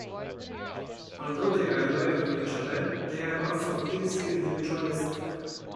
Although they are loyal to each other, they are also fiercely individualistic.